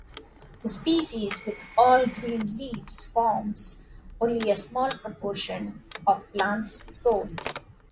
The species with all-green leaves forms only a small proportion of plants sold.